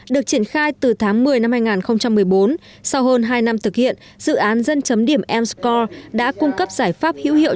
được triển khai từ tháng một mươi năm hai nghìn một mươi bốn sau hơn hai năm thực hiện dự án dân chấm điểm m score đã cung cấp giải pháp hữu hiệu